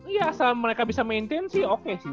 iya asal mereka bisa maintain sih oke sih